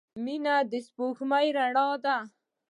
• مینه د سپوږمۍ رڼا ده.